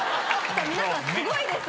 皆さんすごいです。